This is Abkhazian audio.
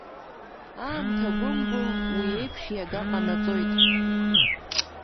Аамҭа гәымбыл уи еиԥш иага ҟанаҵоит.